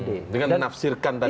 dengan menafsirkan tadi